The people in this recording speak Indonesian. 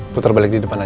putar balik di depan aja